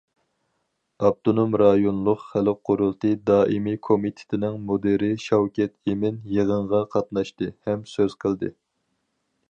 ئاپتونوم رايونلۇق خەلق قۇرۇلتىيى دائىمىي كومىتېتىنىڭ مۇدىرى شاۋكەت ئىمىن يىغىنغا قاتناشتى ھەم سۆز قىلدى.